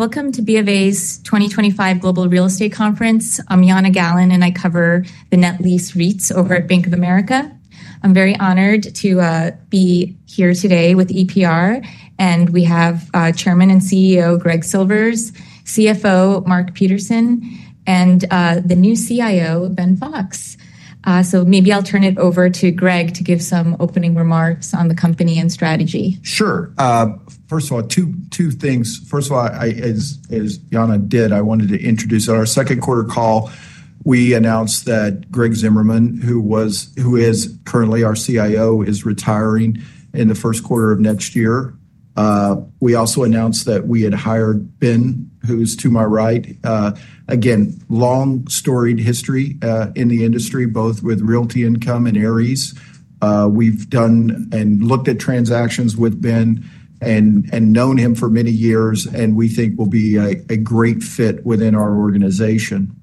Welcome to BofA's 2025 Global Real Estate Conference. I'm Yana Gallen, and I cover the net lease REITs over at Bank of America. I'm very honored to be here today with EPR. We have Chairman and CEO Greg Silvers, CFO Mark Peterson, and the new CIO, Ben Fox. Maybe I'll turn it over to Greg to give some opening remarks on the company and strategy. Sure. First of all, two things. First of all, as Yana did, I wanted to introduce that our second quarter call, we announced that Greg Zimmerman, who is currently our CIO, is retiring in the first quarter of next year. We also announced that we had hired Ben, who's to my right. Again, long storied history in the industry, both with Realty Income and Aries. We've done and looked at transactions with Ben and known him for many years, and we think will be a great fit within our organization.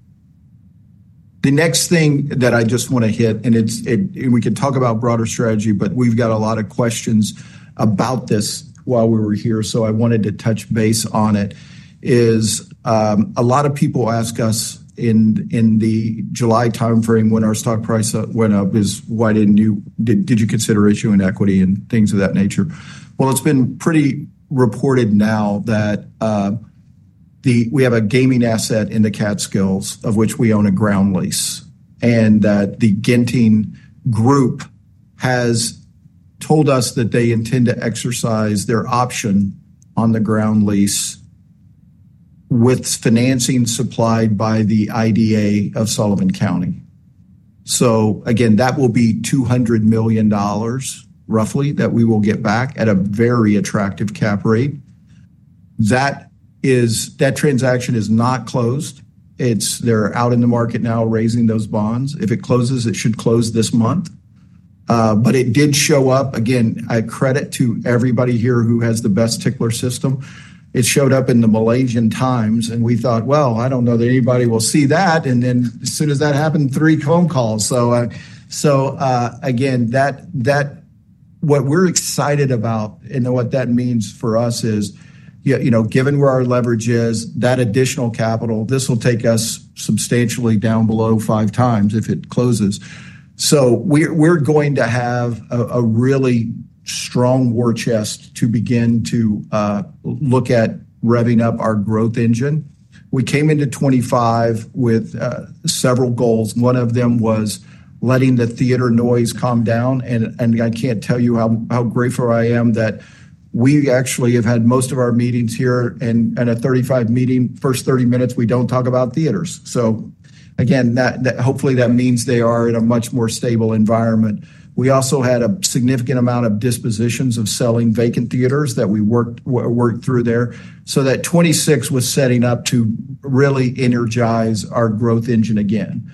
The next thing that I just want to hit, and we could talk about broader strategy, but we've got a lot of questions about this while we were here, so I wanted to touch base on it, is a lot of people ask us in the July timeframe when our stock price went up is, why didn't you, did you consider issuing equity and things of that nature? It's been pretty reported now that we have a gaming asset in the Catskills, of which we own a ground lease, and that the Genting Group has told us that they intend to exercise their option on the ground lease with financing supplied by the IDA of Sullivan County. Again, that will be $200 million roughly that we will get back at a very attractive cap rate. That transaction is not closed. They're out in the market now raising those bonds. If it closes, it should close this month. It did show up, again, a credit to everybody here who has the best tickler system. It showed up in the Malaysian Times, and we thought, I don't know that anybody will see that. As soon as that happened, three phone calls. Again, what we're excited about and what that means for us is, you know, given where our leverage is, that additional capital, this will take us substantially down below five times if it closes. We're going to have a really strong war chest to begin to look at revving up our growth engine. We came into 2025 with several goals. One of them was letting the theater noise calm down. I can't tell you how grateful I am that we actually have had most of our meetings here, and at 35 meetings, first 30 minutes, we don't talk about theaters. Hopefully that means they are in a much more stable environment. We also had a significant amount of dispositions of selling vacant theaters that we worked through there. That 2026 was setting up to really energize our growth engine again.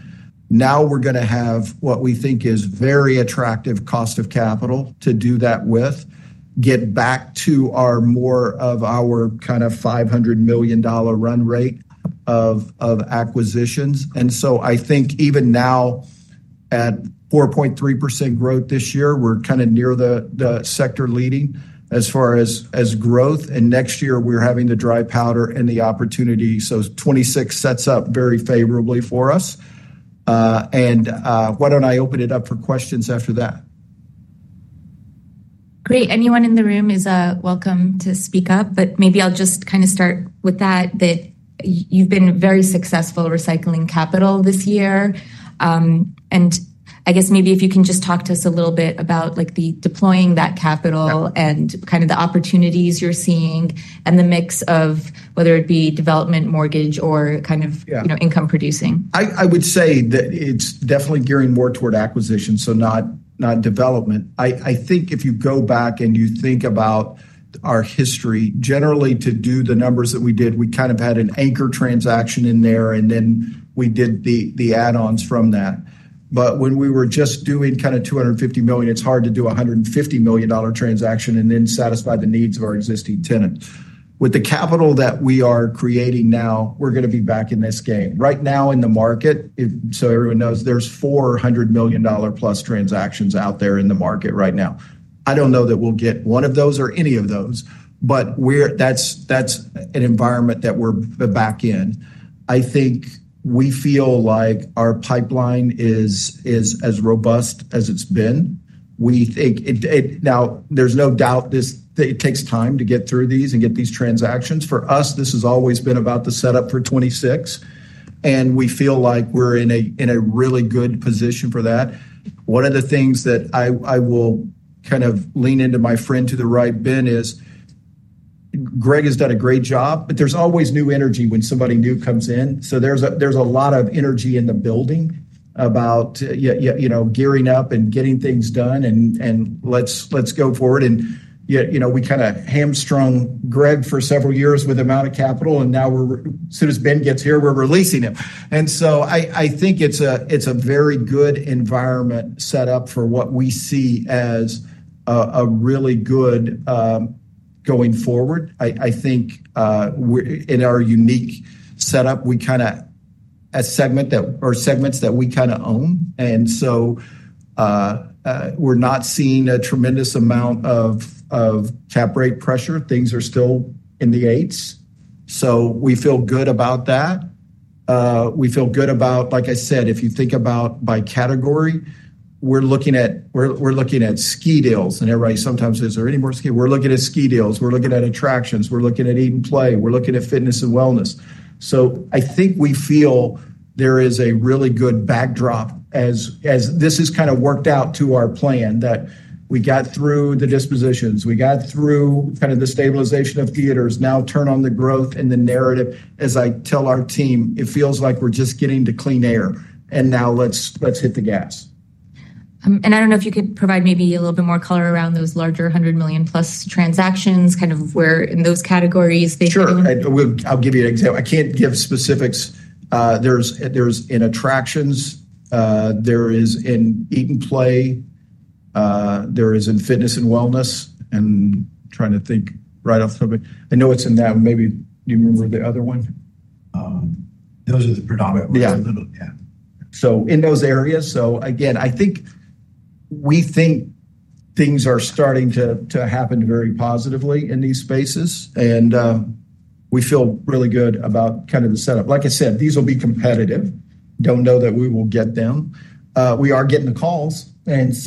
Now we're going to have what we think is very attractive cost of capital to do that with, get back to more of our kind of $500 million run rate of acquisitions. I think even now at 4.3% growth this year, we're kind of near the sector leading as far as growth. Next year we're having the dry powder in the opportunity. 2026 sets up very favorably for us. Why don't I open it up for questions after that? Great. Anyone in the room is welcome to speak up. Maybe I'll just kind of start with that, that you've been very successful recycling capital this year. I guess maybe if you can just talk to us a little bit about like the deploying that capital and kind of the opportunities you're seeing and the mix of whether it be development, mortgage, or kind of income producing. I would say that it's definitely gearing more toward acquisitions, so not development. If you go back and you think about our history, generally to do the numbers that we did, we kind of had an anchor transaction in there, and then we did the add-ons from that. When we were just doing kind of $250 million, it's hard to do a $150 million transaction and then satisfy the needs of our existing tenants. With the capital that we are creating now, we're going to be back in this game. Right now in the market, so everyone knows, there are $400 million plus transactions out there in the market right now. I don't know that we'll get one of those or any of those, but that's an environment that we're back in. I think we feel like our pipeline is as robust as it's been. We think now there's no doubt this takes time to get through these and get these transactions. For us, this has always been about the setup for 2026. We feel like we're in a really good position for that. One of the things that I will kind of lean into my friend to the right, Ben, is Greg has done a great job, but there's always new energy when somebody new comes in. There is a lot of energy in the building about gearing up and getting things done and let's go forward. You know we kind of hamstrung Greg for several years with the amount of capital, and now as soon as Ben gets here, we're releasing him. I think it's a very good environment set up for what we see as a really good going forward. I think in our unique setup, we kind of have segments that we kind of own. We're not seeing a tremendous amount of cap rate pressure. Things are still in the eights. We feel good about that. We feel good about, like I said, if you think about by category, we're looking at ski deals. Everybody sometimes says, are there any more ski deals? We're looking at ski deals. We're looking at attractions. We're looking at even play. We're looking at fitness and wellness. I think we feel there is a really good backdrop as this has kind of worked out to our plan that we got through the dispositions. We got through kind of the stabilization of theaters. Now turn on the growth and the narrative. As I tell our team, it feels like we're just getting to clean air. Now let's hit the gas. Could you provide maybe a little bit more color around those larger $100 million plus transactions, kind of where in those categories they flow? Sure. I'll give you an example. I can't give specifics. There's in attraction properties. There is in eat and play properties. There is in fitness and wellness properties. I'm trying to think right off the top of it. I know it's in that. Maybe you remember the other one. Those are the predominant ones. Yeah. In those areas, we think things are starting to happen very positively in these spaces, and we feel really good about kind of the setup. Like I said, these will be competitive. Don't know that we will get them. We are getting the calls. We've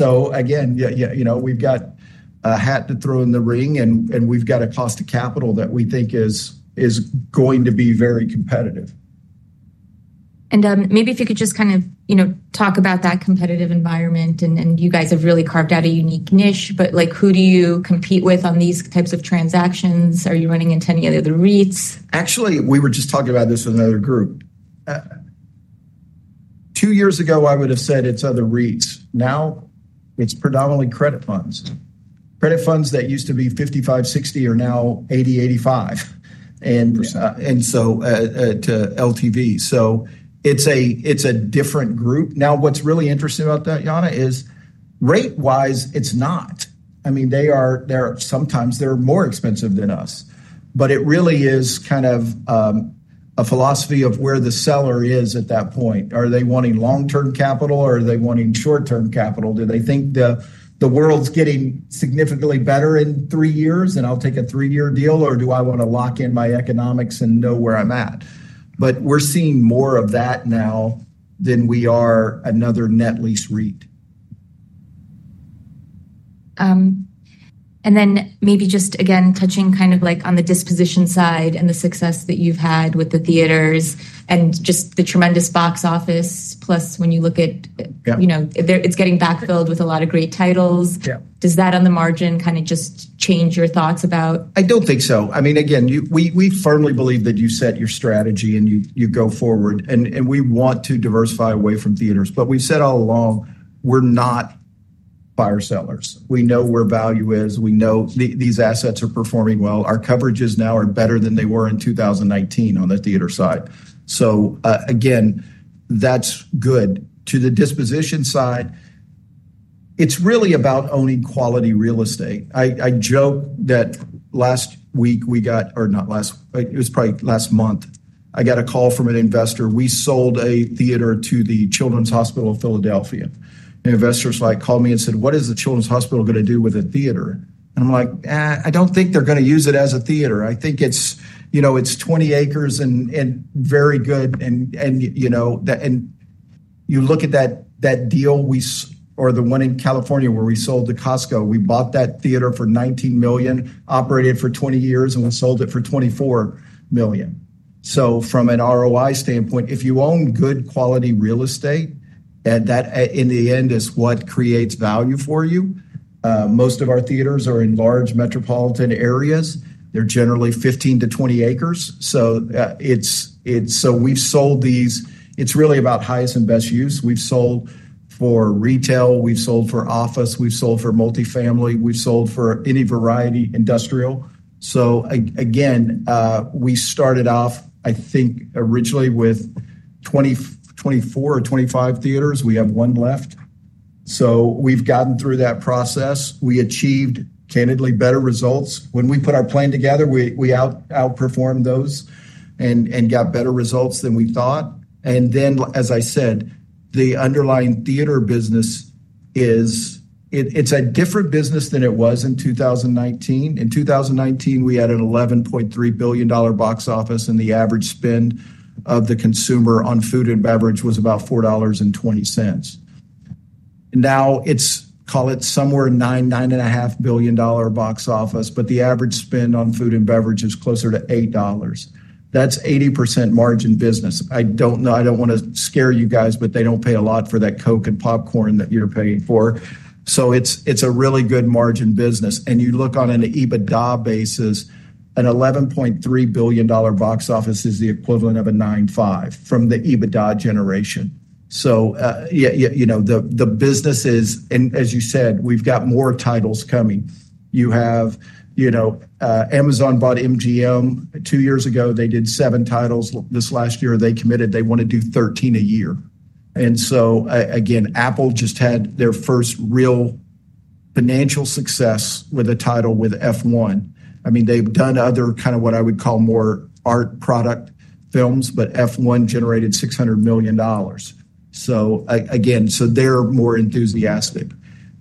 got a hat to throw in the ring, and we've got a cost of capital that we think is going to be very competitive. Could you just kind of talk about that competitive environment? You guys have really carved out a unique niche, but who do you compete with on these types of transactions? Are you running into any other REITs? Actually, we were just talking about this with another group. Two years ago, I would have said it's other REITs. Now it's predominantly credit funds. Credit funds that used to be 55, 60 are now 80, 85 and so to LTV. It's a different group. What's really interesting about that, Yana, is rate-wise, it's not. I mean, sometimes they're more expensive than us. It really is kind of a philosophy of where the seller is at that point. Are they wanting long-term capital or are they wanting short-term capital? Do they think the world's getting significantly better in three years and I'll take a three-year deal or do I want to lock in my economics and know where I'm at? We're seeing more of that now than we are another net lease REIT. Maybe just again touching kind of like on the disposition side and the success that you've had with the theaters and just the tremendous box office, plus when you look at, you know, it's getting backfilled with a lot of great titles. Does that on the margin kind of just change your thoughts about? I don't think so. I mean, again, we firmly believe that you set your strategy and you go forward. We want to diversify away from theaters, but we've said all along, we're not fire sellers. We know where value is. We know these assets are performing well. Our coverages now are better than they were in 2019 on the theater side, so again, that's good. To the disposition side, it's really about owning quality real estate. I joke that last week we got, or not last, it was probably last month, I got a call from an investor. We sold a theater to the Children's Hospital of Philadelphia. An investor's wife called me and said, what is the Children's Hospital going to do with a theater? I'm like, I don't think they're going to use it as a theater. I think it's, you know, it's 20 acres and very good. You know, you look at that deal or the one in California where we sold to Costco. We bought that theater for $19 million, operated for 20 years, and we sold it for $24 million. From an ROI standpoint, if you own good quality real estate, that in the end is what creates value for you. Most of our theaters are in large metropolitan areas. They're generally 15-20 acres. We've sold these. It's really about highest and best use. We've sold for retail, we've sold for office, we've sold for multifamily, we've sold for any variety, industrial. We started off, I think, originally with 24 or 25 theaters. We have one left. We've gotten through that process. We achieved candidly better results. When we put our plan together, we outperformed those and got better results than we thought. As I said, the underlying theater business is a different business than it was in 2019. In 2019, we had an $11.3 billion box office, and the average spend of the consumer on food and beverage was about $4.20. Now it's, call it, somewhere $9 billion, $9.5 billion box office, but the average spend on food and beverage is closer to $8. That's 80% margin business. I don't know, I don't want to scare you guys, but they don't pay a lot for that Coke and popcorn that you're paying for. It's a really good margin business. You look on an EBITDA basis, an $11.3 billion box office is the equivalent of a $9.5 billion from the EBITDA generation. You know the business is, and as you said, we've got more titles coming. You have, you know, Amazon bought MGM two years ago. They did seven titles this last year. They committed they want to do 13 a year. Apple just had their first real financial success with a title with F1. I mean, they've done other, what I would call more art product films, but F1 generated $600 million. They're more enthusiastic.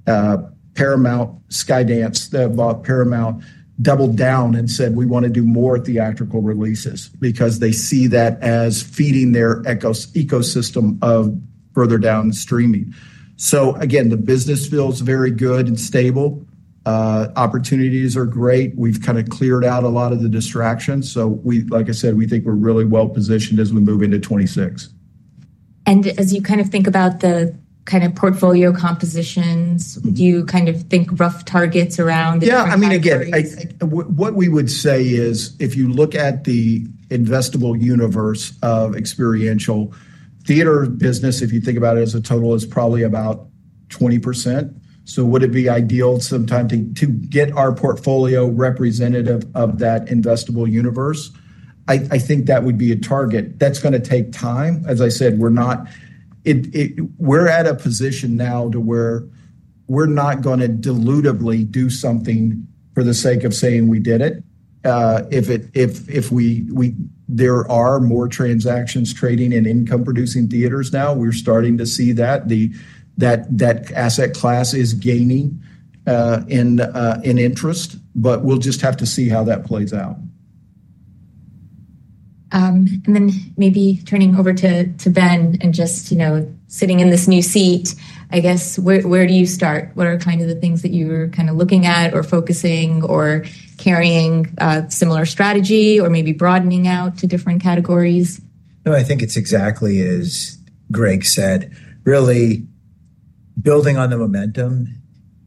Paramount, Skydance that bought Paramount, doubled down and said, we want to do more theatrical releases because they see that as feeding their ecosystem of further down streaming. The business feels very good and stable. Opportunities are great. We've cleared out a lot of the distractions. Like I said, we think we're really well positioned as we move into 2026. As you think about the kind of portfolio compositions, do you think rough targets around? Yeah, I mean, again, what we would say is if you look at the investable universe of experiential theater business, if you think about it as a total, it's probably about 20%. Would it be ideal sometime to get our portfolio representative of that investable universe? I think that would be a target. That's going to take time. As I said, we're at a position now where we're not going to dilutably do something for the sake of saying we did it. There are more transactions trading in income-producing theaters now, we're starting to see that. That asset class is gaining in interest, but we'll just have to see how that plays out. Maybe turning over to Ben and just, you know, sitting in this new seat, I guess, where do you start? What are kind of the things that you were kind of looking at or focusing or carrying a similar strategy or maybe broadening out to different categories? No, I think it's exactly as Greg said, really building on the momentum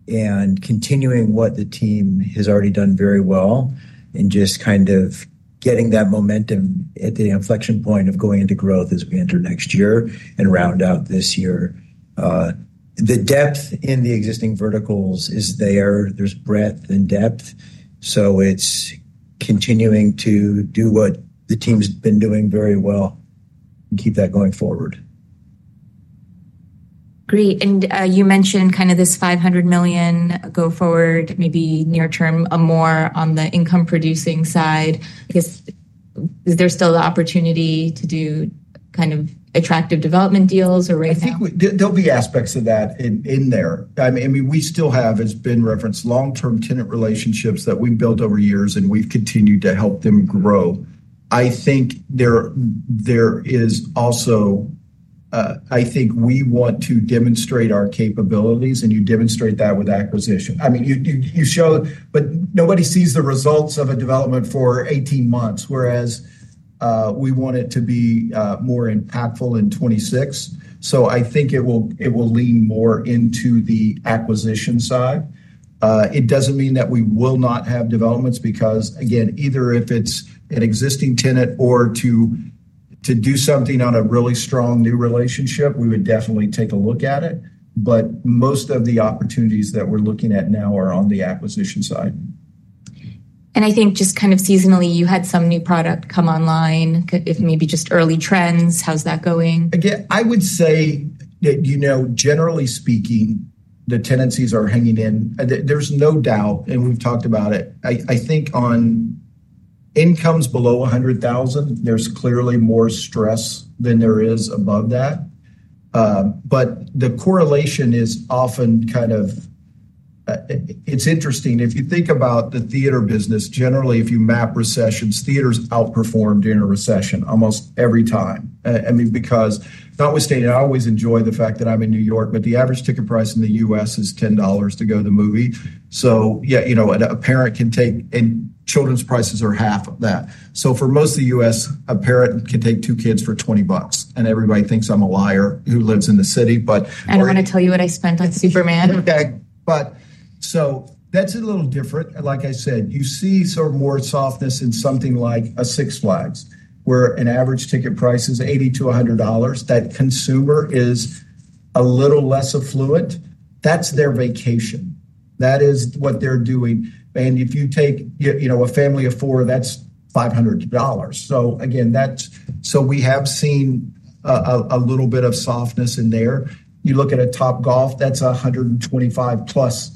and continuing what the team has already done very well and just kind of getting that momentum at the inflection point of going into growth as we enter next year and round out this year. The depth in the existing verticals is there. There's breadth and depth. It's continuing to do what the team's been doing very well and keep that going forward. Great. You mentioned kind of this $500 million go forward, maybe near term, more on the income-producing side. I guess is there still the opportunity to do kind of attractive development deals or raise? I think there'll be aspects of that in there. I mean, we still have, as Ben referenced, long-term tenant relationships that we've built over years, and we've continued to help them grow. I think we also want to demonstrate our capabilities, and you demonstrate that with acquisitions. I mean, you show, but nobody sees the results of a development for 18 months, whereas we want it to be more impactful in 2026. I think it will lean more into the acquisition side. It doesn't mean that we will not have developments because, again, either if it's an existing tenant or to do something on a really strong new relationship, we would definitely take a look at it. Most of the opportunities that we're looking at now are on the acquisition side. I think just kind of seasonally, you had some new product come online, maybe just early trends. How's that going? I would say that, you know, generally speaking, the tendencies are hanging in. There's no doubt, and we've talked about it. I think on incomes below $100,000, there's clearly more stress than there is above that. The correlation is often kind of, it's interesting. If you think about the theater business, generally, if you map recessions, theaters outperformed in a recession almost every time. I mean, because notwithstanding, I always enjoy the fact that I'm in New York, but the average ticket price in the U.S. is $10 to go to the movie. A parent can take, and children's prices are half of that. For most of the U.S., a parent can take two kids for $20. Everybody thinks I'm a liar who lives in the city, but. I don't want to tell you what I spent on Superman. That's a little different. Like I said, you see sort of more softness in something like a Six Flags, where an average ticket price is $80-$100. That consumer is a little less affluent. That's their vacation. That is what they're doing. If you take a family of four, that's $500. We have seen a little bit of softness in there. You look at a Topgolf, that's $125+.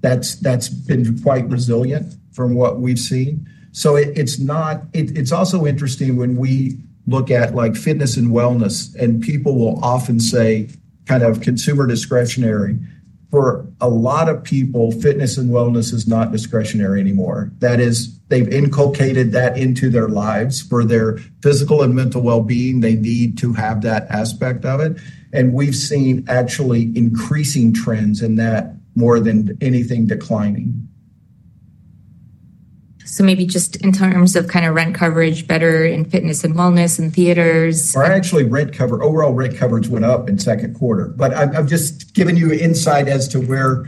That's been quite resilient from what we've seen. It's also interesting when we look at fitness and wellness, and people will often say kind of consumer discretionary. For a lot of people, fitness and wellness is not discretionary anymore. They've inculcated that into their lives for their physical and mental well-being. They need to have that aspect of it. We've seen actually increasing trends in that more than anything declining. Maybe just in terms of kind of rent coverage, better in fitness and wellness and theaters. Actually, rent coverage, overall rent coverage went up in the second quarter. I've just given you an insight as to where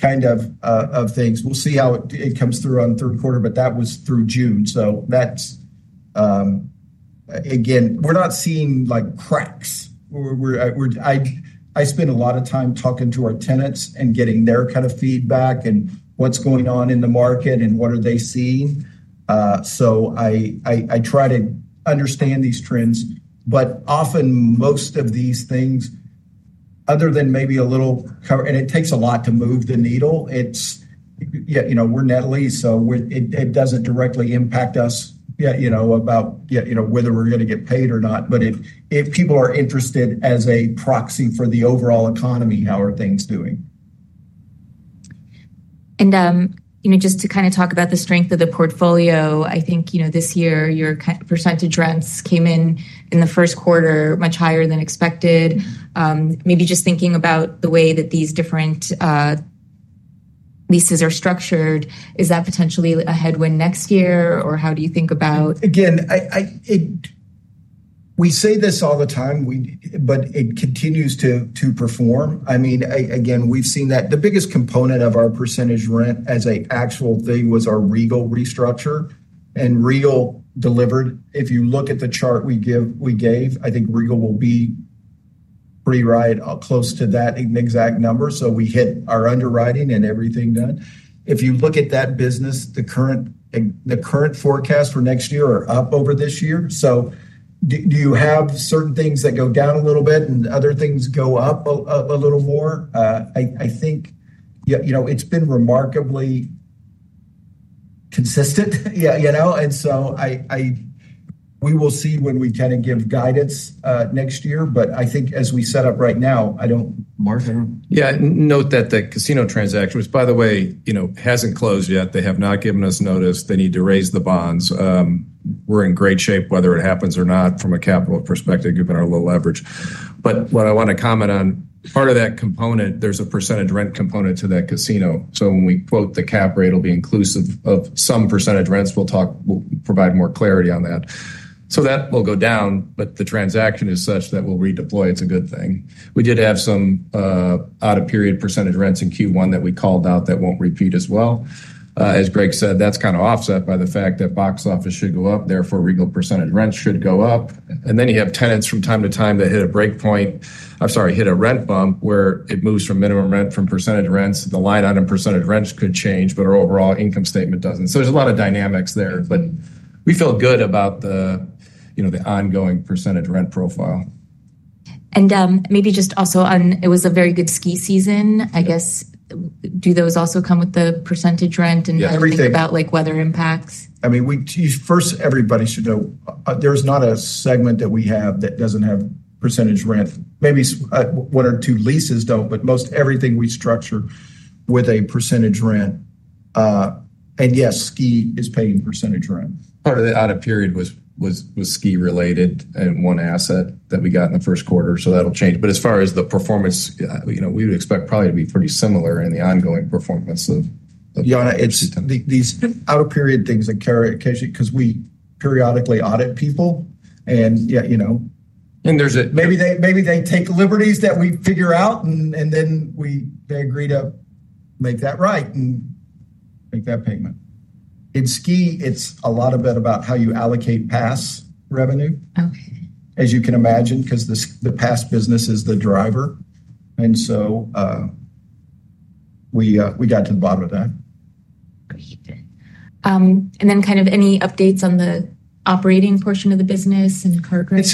kind of things are. We'll see how it comes through in the third quarter, but that was through June. Again, we're not seeing cracks. I spend a lot of time talking to our tenants and getting their feedback and what's going on in the market and what they are seeing. I try to understand these trends. Often, most of these things, other than maybe a little, and it takes a lot to move the needle, we're net lease, so it doesn't directly impact us, you know, about whether we're going to get paid or not. If people are interested as a proxy for the overall economy, how are things doing? Just to kind of talk about the strength of the portfolio, I think this year your percentage rents came in in the first quarter much higher than expected. Maybe just thinking about the way that these different leases are structured, is that potentially a headwind next year? Or how do you think about? We say this all the time, but it continues to perform. We've seen that the biggest component of our percentage rent as an actual thing was our Regal restructure, and Regal delivered. If you look at the chart we gave, I think Regal will be pretty right close to that exact number. We hit our underwriting and everything done. If you look at that business, the current forecasts for next year are up over this year. You have certain things that go down a little bit and other things go up a little more. I think it's been remarkably consistent, and we will see when we kind of give guidance next year. I think as we set up right now, I don't. Mark, I don't. Yeah, note that the casino transaction, by the way, hasn't closed yet. They have not given us notice. They need to raise the bonds. We're in great shape, whether it happens or not from a capital perspective, given our little leverage. What I want to comment on, part of that component, there's a percentage rent component to that casino. When we quote the cap rate, it'll be inclusive of some percentage rents. We'll talk, we'll provide more clarity on that. That will go down, but the transaction is such that we'll redeploy. It's a good thing. We did have some out-of-period percentage rents in Q1 that we called out that won't repeat as well. As Greg said, that's kind of offset by the fact that box office should go up. Therefore, Regal percentage rents should go up. You have tenants from time to time that hit a break point, I'm sorry, hit a rent bump where it moves from minimum rent from percentage rents. The line item percentage rents could change, but our overall income statement doesn't. There's a lot of dynamics there, but we feel good about the ongoing percentage rent profile. Maybe just also on, it was a very good ski season. I guess, do those also come with the percentage rent and think about like weather impacts? I mean, first, everybody should know there's not a segment that we have that doesn't have percentage rent. Maybe one or two leases don't, but most everything we structure with a percentage rent. Yes, ski is paying percentage rent. Part of the out-of-period was ski related in one asset that we got in the first quarter. That'll change. As far as the performance, we would expect probably to be pretty similar in the ongoing performance of. Yeah, it's these out-of-period things that carry occasionally because we periodically audit people. You know. Maybe they take liberties that we figure out, and then we agree to make that right and make that payment. In ski, it's a lot of it about how you allocate pass revenue. Okay. As you can imagine, because the pass business is the driver, we got to the bottom of that. Great. Any updates on the operating portion of the business and car group?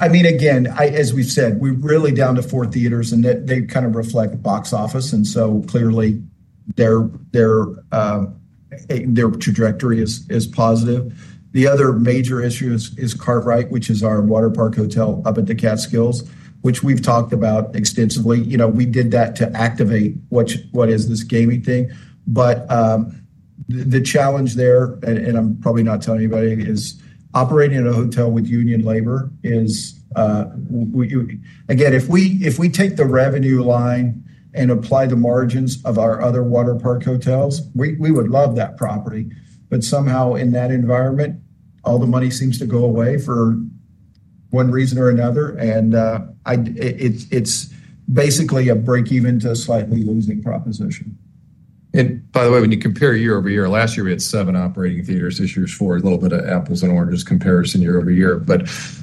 I mean, again, as we said, we're really down to four theaters and they kind of reflect box office. Clearly their trajectory is positive. The other major issue is Cartwright, which is our water park hotel up at the Catskills, which we've talked about extensively. We did that to activate what is this gaming thing. The challenge there, and I'm probably not telling anybody, is operating in a hotel with union labor is, again, if we take the revenue line and apply the margins of our other water park hotels, we would love that property. Somehow in that environment, all the money seems to go away for one reason or another. It is basically a break even to slightly losing proposition. By the way, when you compare year-over-year, last year we had seven operating theaters, this year it's four, a little bit of apples and oranges comparison year-over-year.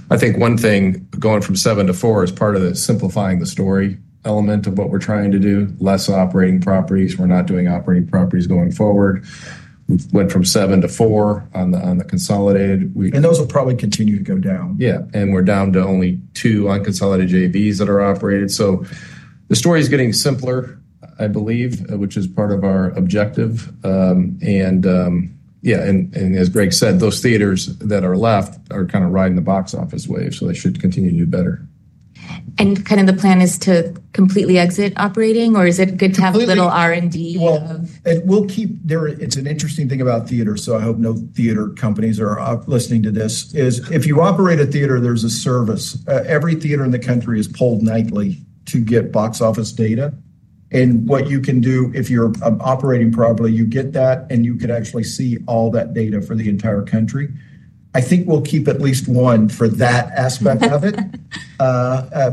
I think one thing going from seven to four is part of simplifying the story element of what we're trying to do, less operating properties. We're not doing operating properties going forward. We went from seven to four on the consolidated. Those will probably continue to go down. Yeah, we're down to only two unconsolidated JVs that are operated. The story is getting simpler, I believe, which is part of our objective. As Greg said, those theaters that are left are kind of riding the box office wave, so they should continue to do better. Is the plan to completely exit operating or is it good to have a little R&D? Yeah, it's an interesting thing about theaters. I hope no theater companies are listening to this. If you operate a theater, there's a service. Every theater in the country is polled nightly to get box office data. What you can do if you're operating properly, you get that and you can actually see all that data for the entire country. I think we'll keep at least one for that aspect of it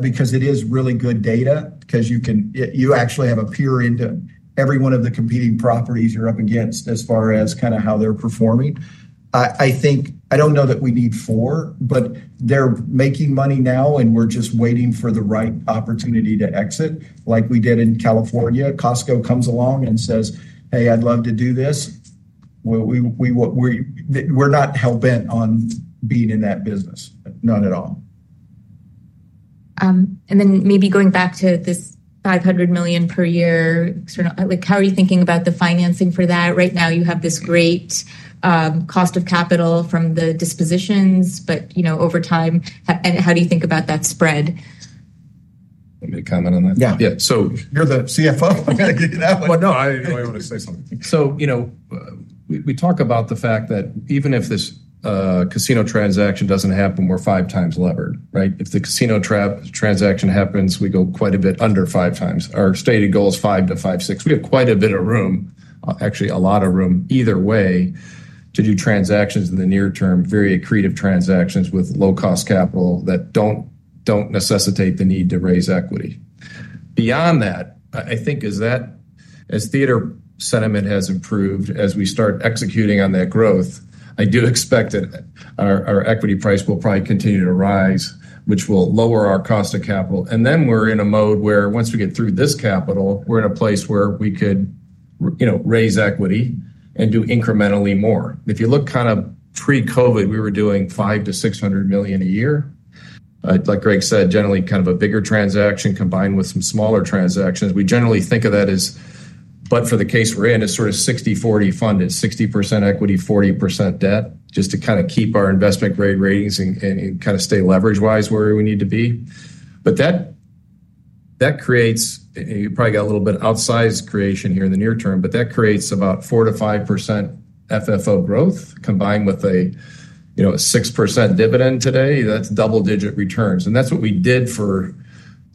because it is really good data. You actually have a peer into every one of the competing properties you're up against as far as how they're performing. I think, I don't know that we need four, but they're making money now and we're just waiting for the right opportunity to exit. Like we did in California, Costco comes along and says, "Hey, I'd love to do this." We're not hell-bent on being in that business. Not at all. Maybe going back to this $500 million per year, how are you thinking about the financing for that? Right now you have this great cost of capital from the dispositions, but over time, how do you think about that spread? Can I comment on that? Yeah. Yeah. You're the CFO. I've got to give you that one. I want to say something. We talk about the fact that even if this casino transaction doesn't happen, we're five times levered, right? If the casino transaction happens, we go quite a bit under five times. Our stated goal is five to five six. We have quite a bit of room, actually a lot of room either way to do transactions in the near term, very accretive transactions with low-cost capital that don't necessitate the need to raise equity. Beyond that, I think as that theater sentiment has improved, as we start executing on that growth, I do expect that our equity price will probably continue to rise, which will lower our cost of capital. Once we get through this capital, we're in a place where we could, you know, raise equity and do incrementally more. If you look kind of pre-COVID, we were doing $500 million-$600 million a year. Like Greg said, generally kind of a bigger transaction combined with some smaller transactions. We generally think of that as, but for the case we're in, it's sort of 60/40 funded, 60% equity, 40% debt, just to kind of keep our investment grade ratings and kind of stay leverage-wise where we need to be. That creates, you probably got a little bit outsized creation here in the near term, but that creates about 4%-5% FFO growth combined with a, you know, a 6% dividend today. That's double-digit returns. That's what we did for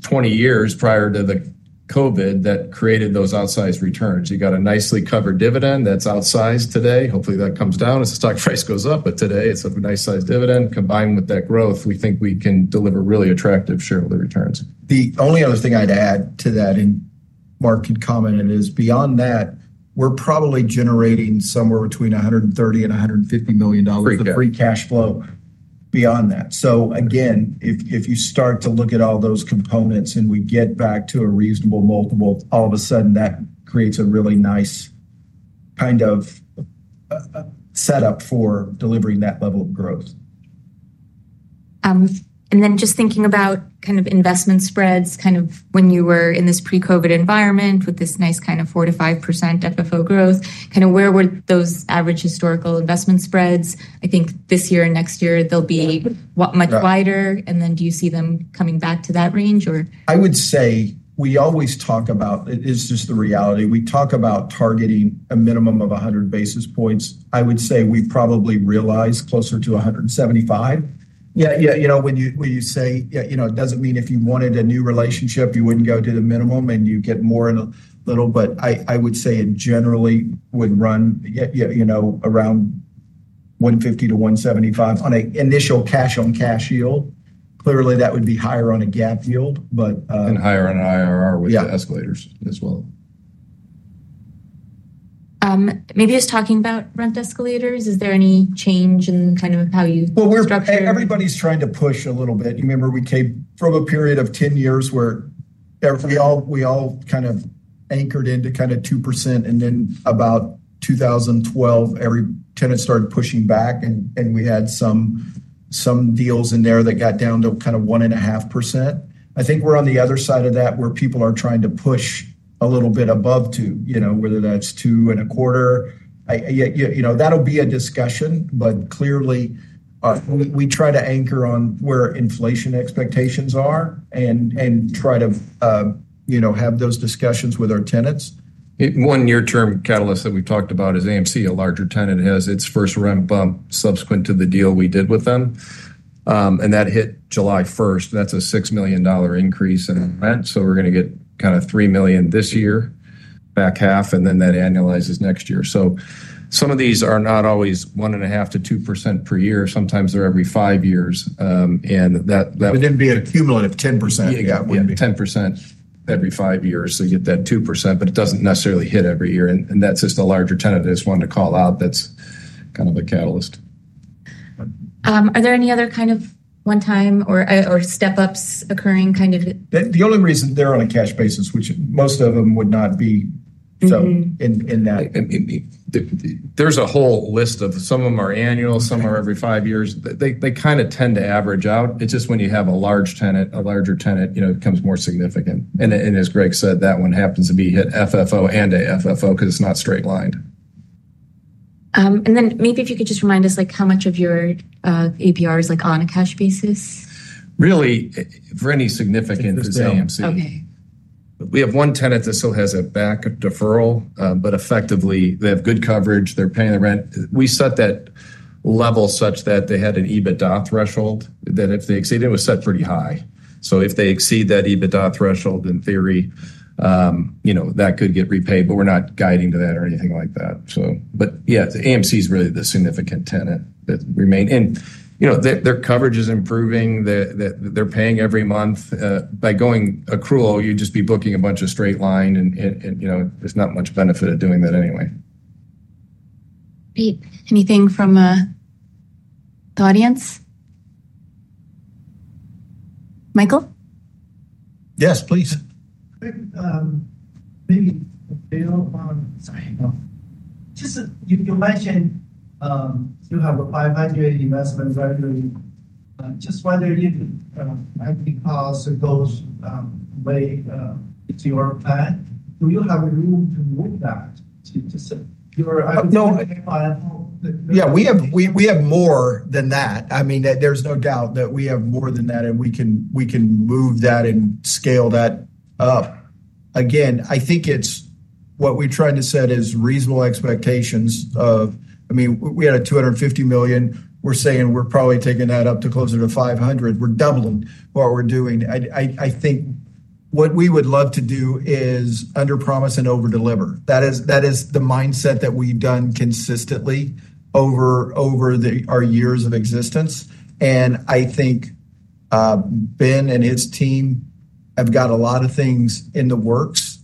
20 years prior to the COVID that created those outsized returns. You got a nicely covered dividend that's outsized today. Hopefully that comes down as the stock price goes up, but today it's a nice sized dividend combined with that growth. We think we can deliver really attractive shareholder returns. The only other thing I'd add to that and Mark can comment on is beyond that, we're probably generating somewhere between $130 million and $150 million in free cash flow beyond that. If you start to look at all those components and we get back to a reasonable multiple, all of a sudden that creates a really nice kind of setup for delivering that level of growth. Just thinking about kind of investment spreads, when you were in this pre-COVID environment with this nice kind of 4%-5% FFO growth, where were those average historical investment spreads? I think this year and next year they'll be much wider. Do you see them coming back to that range? I would say we always talk about, it's just the reality. We talk about targeting a minimum of 100 basis points. I would say we probably realize closer to 175. You know, when you say, you know, it doesn't mean if you wanted a new relationship, you wouldn't go to the minimum and you get more in a little, but I would say it generally would run around $150-$175 on an initial cash on cash yield. Clearly, that would be higher on a GAAP yield. Higher on an IRR with the escalators as well. Maybe just talking about rent escalators, is there any change in kind of how you structure? Everybody's trying to push a little bit. You remember we came from a period of 10 years where we all kind of anchored into 2%, and then about 2012, every tenant started pushing back and we had some deals in there that got down to 1.5%. I think we're on the other side of that where people are trying to push a little bit above 2%, you know, whether that's 2.25%. That'll be a discussion, but clearly we try to anchor on where inflation expectations are and try to have those discussions with our tenants. One near-term catalyst that we've talked about is AMC, a larger tenant, has its first rent bump subsequent to the deal we did with them. That hit July 1st. That's a $6 million increase in rent. We're going to get kind of $3 million this year, back half, and then that annualizes next year. Some of these are not always 1.5%-2% per year. Sometimes they're every five years. That. It wouldn't be a cumulative 10%. Yeah, yeah, 10% every five years. You get that 2%, but it doesn't necessarily hit every year. That's just a larger tenant that I wanted to call out that's kind of a catalyst. Are there any other kind of one-time or step-ups occurring? The only reason they're on a cash basis, which most of them would not be, is so in that. There's a whole list of some of them are annual, some are every five years. They kind of tend to average out. It's just when you have a large tenant, a larger tenant, you know, it becomes more significant. As Greg said, that one happens to hit FFO and AFFO because it's not straight lined. Could you just remind us how much of your APR is on a cash basis? Really, for any significance is AMC. Okay. We have one tenant that still has a backup deferral, but effectively they have good coverage. They're paying the rent. We set that level such that they had an EBITDA threshold that if they exceed it, it was set pretty high. If they exceed that EBITDA threshold in theory, you know, that could get repaid, but we're not guiding to that or anything like that. AMC is really the significant tenant that remains. You know, their coverage is improving. They're paying every month. By going accrual, you'd just be booking a bunch of straight line, and you know, there's not much benefit of doing that anyway. Great. Anything from the audience? Michael? Yes, please. Maybe based upon, sorry, you can mention you have a $500 investment revenue, just whether it is in house or goes away to your plan. Do you have room to move that? Yeah, we have more than that. I mean, there's no doubt that we have more than that, and we can move that and scale that up. Again, I think what we're trying to set is reasonable expectations. I mean, we had a $250 million. We're saying we're probably taking that up to closer to $500 million. We're doubling what we're doing. I think what we would love to do is under promise and over deliver. That is the mindset that we've done consistently over our years of existence. I think Ben and his team have got a lot of things in the works.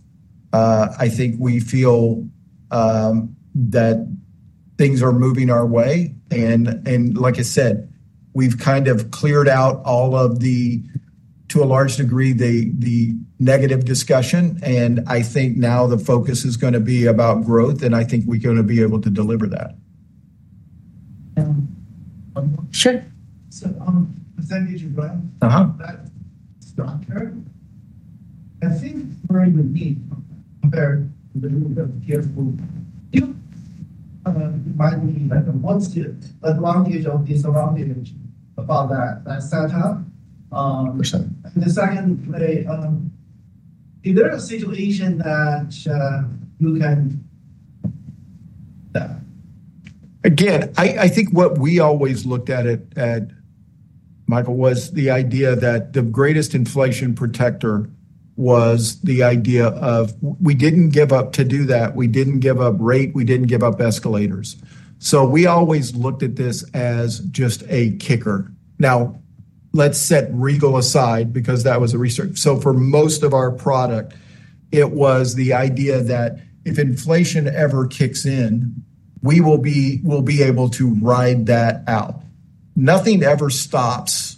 I think we feel that things are moving our way. Like I said, we've kind of cleared out all of the, to a large degree, the negative discussion. I think now the focus is going to be about growth, and I think we're going to be able to deliver that. Sure. On the percentage of rent, I think we need to be very careful about the marketing and what's the advantage of this around that setup. In a certain way, is there a situation that you can? Again, I think what we always looked at, Michael, was the idea that the greatest inflation protector was the idea of we didn't give up to do that. We didn't give up rate. We didn't give up escalators. We always looked at this as just a kicker. Now, let's set Regal aside because that was a research. For most of our product, it was the idea that if inflation ever kicks in, we will be able to ride that out. Nothing ever stops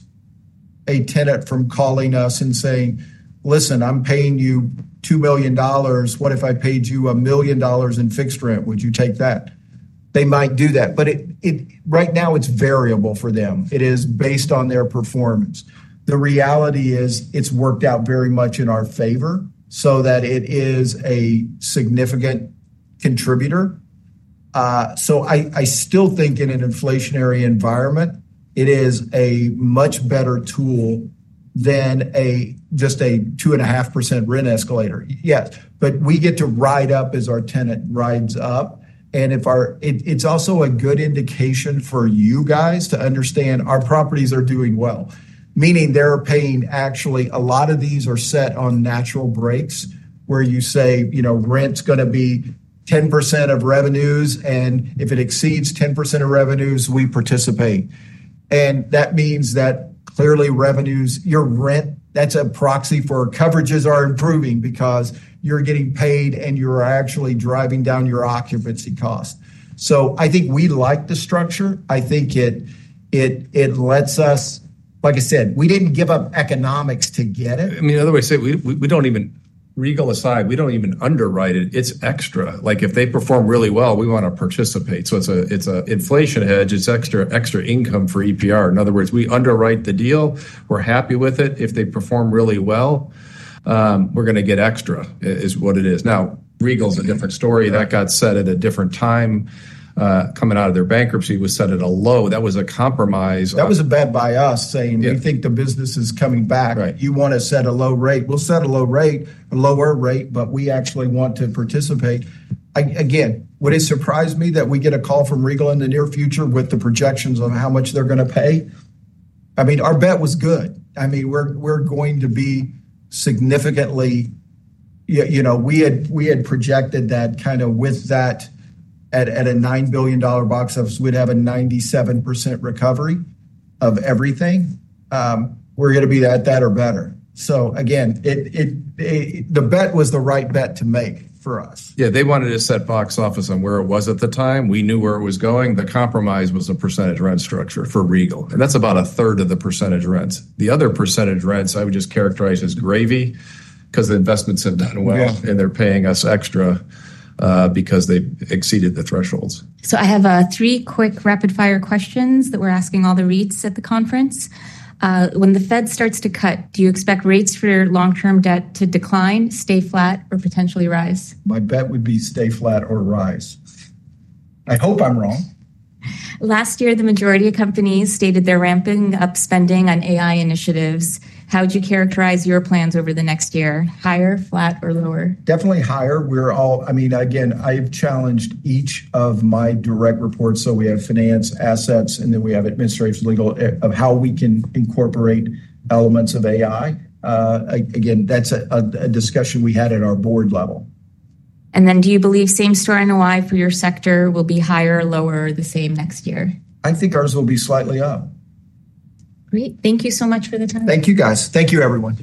a tenant from calling us and saying, "Listen, I'm paying you $2 million. What if I paid you $1 million in fixed rent? Would you take that?" They might do that. Right now, it's variable for them. It is based on their performance. The reality is it's worked out very much in our favor so that it is a significant contributor. I still think in an inflationary environment, it is a much better tool than just a 2.5% rent escalator. Yes, we get to ride up as our tenant rides up. It's also a good indication for you guys to understand our properties are doing well. Meaning they're paying, actually, a lot of these are set on natural breaks where you say, you know, rent's going to be 10% of revenues. If it exceeds 10% of revenues, we participate. That means that clearly revenues, your rent, that's a proxy for coverages, are improving because you're getting paid and you're actually driving down your occupancy cost. I think we like the structure. I think it lets us, like I said, we didn't give up economics to get it. In other words, we don't even, Regal aside, we don't even underwrite it. It's extra. Like if they perform really well, we want to participate. It's an inflation hedge. It's extra income for EPR. In other words, we underwrite the deal. We're happy with it. If they perform really well, we're going to get extra is what it is. Now, Regal is a different story. That got set at a different time. Coming out of their bankruptcy was set at a low. That was a compromise. That was a bad buy, us saying, we think the business is coming back. You want to set a low rate. We'll set a low rate, a lower rate, but we actually want to participate. Would it surprise me that we get a call from Regal in the near future with the projections on how much they're going to pay? I mean, our bet was good. I mean, we're going to be significantly, you know, we had projected that with a $9 billion box office, we'd have a 97% recovery of everything. We're going to be at that or better. The bet was the right bet to make for us. Yeah, they wanted to set box office on where it was at the time. We knew where it was going. The compromise was a percentage rent structure for Regal. That's about a third of the percentage rents. The other percentage rents I would just characterize as gravy because the investments have done well and they're paying us extra because they exceeded the thresholds. I have three quick rapid-fire questions that we're asking all the REITs at the conference. When the Fed starts to cut, do you expect rates for long-term debt to decline, stay flat, or potentially rise? My bet would be stay flat or rise. I hope I'm wrong. Last year, the majority of companies stated they're ramping up spending on AI initiatives. How would you characterize your plans over the next year? Higher, flat, or lower? Definitely higher. I mean, again, I've challenged each of my direct reports. We have finance assets and then we have administrative legal, of how we can incorporate elements of AI. Again, that's a discussion we had at our board level. Do you believe same-store NOI for your sector will be higher, lower, or the same next year? I think ours will be slightly up. Great. Thank you so much for the time. Thank you, guys. Thank you, everyone.